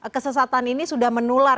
kesesatan ini sudah menular